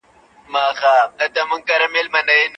که ښځه اړ وي، طلاق روا دی.